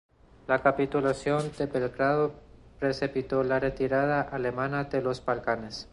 La capitulación de Belgrado precipitó la retirada alemana de los Balcanes.